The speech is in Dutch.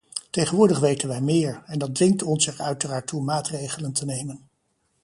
Tegenwoordig weten wij meer, en dat dwingt ons er uiteraard toe maatregelen te nemen.